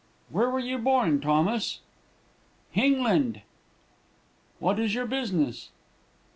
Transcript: "'Where were you born, Thomas?' "'Hingland.' "'What is your business?'